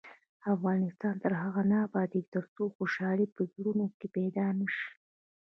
افغانستان تر هغو نه ابادیږي، ترڅو خوشحالي په زړونو کې پیدا نشي.